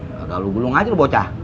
gak lalu gulung aja bu